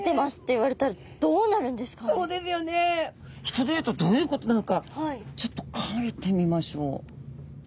人で言うとどういうことなのかちょっと描いてみましょう。